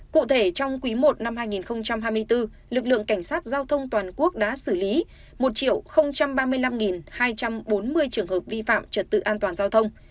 cụ thể trong quý i năm hai nghìn hai mươi bốn lực lượng cảnh sát giao thông toàn quốc đã xử lý một ba mươi năm hai trăm bốn mươi trường hợp vi phạm trật tự an toàn giao thông